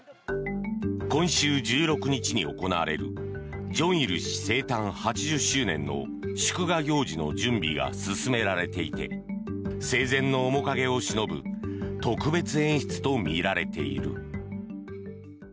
今週１６日に行われる正日氏生誕８０周年の祝賀行事の準備が進められていて生前の面影をしのぶ特別演出とみられている。